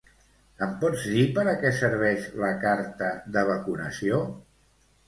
Em pots dir per a què serveix la carta de vacunació?